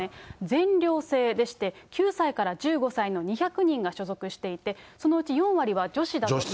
全寮制でして、９歳から１５歳の２００人が所属していて、そのうち４割は女子だということです。